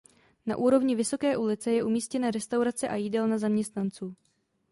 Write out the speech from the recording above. Na úrovni Vysoké ulice je umístěna restaurace a jídelna zaměstnanců.